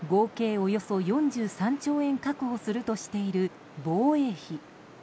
およそ４３兆円確保するとしている防衛費。